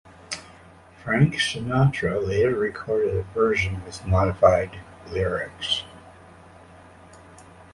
Frank Sinatra later recorded a version with modified lyrics.